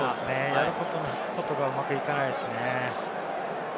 やることなすことがうまくいかないですね。